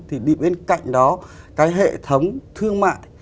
thì bị bên cạnh đó cái hệ thống thương mại